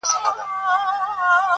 هم ئې زړه کېږي، هم ئې ساړه کېږي.